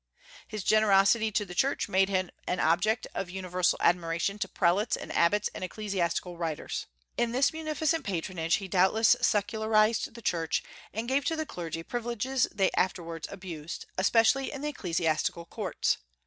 His generosity to the Church made him an object of universal admiration to prelates and abbots and ecclesiastical writers. In this munificent patronage he doubtless secularized the Church, and gave to the clergy privileges they afterwards abused, especially in the ecclesiastical courts.